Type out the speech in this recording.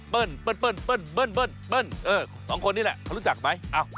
เปิ้ลเปิ้ลเปิ้ลเปิ้ลเปิ้ลเปิ้ลเปิ้ลเออสองคนนี้แหละเขารู้จักไหม